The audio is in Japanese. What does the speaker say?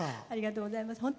ありがとうございます。